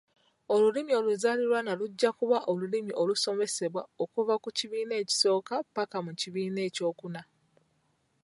Olulimi oluzaaliranwa lujja kuba olulimi olusomesebwamu okuva ku kibiina ekisooka ppaka ku kibiina ekyokuna.